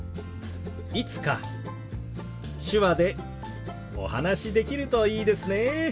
いつか手話でお話しできるといいですね。